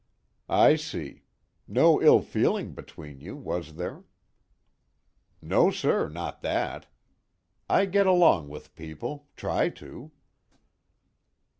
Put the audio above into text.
"I see. No ill feeling between you, was there?" "No, sir, not that. I get along with people try to."